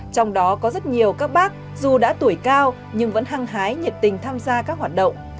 trong đó có rất nhiều các bác dù đã tuổi cao nhưng vẫn hăng hái nhiệt tình tham gia các hoạt động